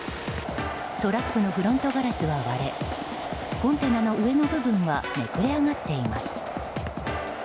トラックのフロントガラスは割れコンテナの上の部分はめくれ上がっています。